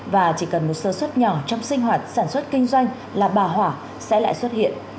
và chỉ cần một sơ xuất nhỏ trong sinh hoạt sản xuất kinh doanh là bà hỏa sẽ lại xuất hiện